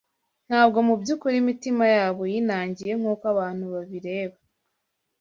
ntabwo mu by’ukuri imitima yabo yinangiye nk’uko abantu babireba